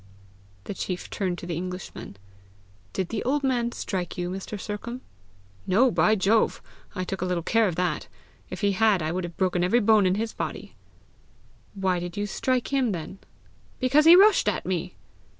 The chief turned to the Englishman. "Did the old man strike you, Mr. Sercombe?" "No, by Jove! I took a little care of that! If he had, I would have broke every bone in his body!" "Why did you strike him then?" "Because he rushed at me."